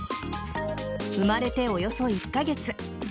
生まれておよそ１カ月。